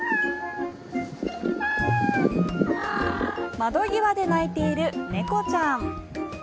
窓際で鳴いている猫ちゃん。